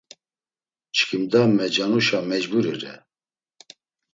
Çkimda mecanuşa mecburi re.